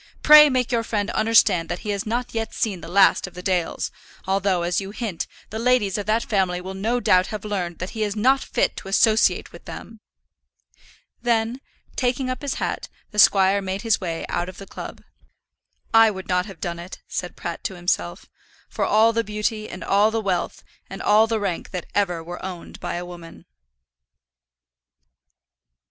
Pray make your friend understand that he has not yet seen the last of the Dales; although, as you hint, the ladies of that family will no doubt have learned that he is not fit to associate with them." Then, taking up his hat, the squire made his way out of the club. "I would not have done it," said Pratt to himself, "for all the beauty, and all the wealth, and all the rank that ever were owned by a woman."